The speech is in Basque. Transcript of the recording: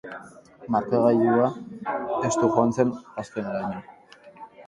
Markagailua estu joan zen azkeneraino.